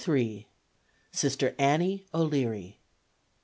Sister Annie O'Leary.